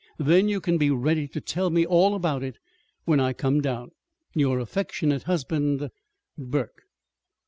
Then you can be ready to tell me all about it when I come down. Your affectionate husband, BURKE.